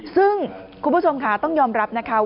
ซึ่งคุณผู้ชมค่ะต้องยอมรับนะคะว่า